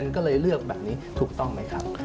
ก็เลยเลือกแบบนี้ถูกต้องไหมครับ